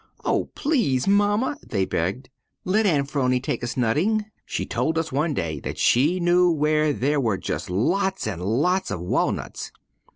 "Oh, please, mamma," they begged, "let Aunt 'Phrony take us nutting? She told us one day that she knew where there were just lots and lots of walnuts."